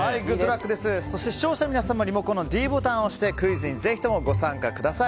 そして視聴者の皆さんにもリモコンのｄボタンを押してクイズにぜひともご参加ください。